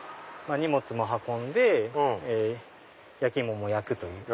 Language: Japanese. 荷物も運んで焼き芋も焼くという。